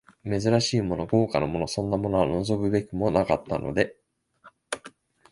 珍しいもの、豪華なもの、そんなものは望むべくもなかったので、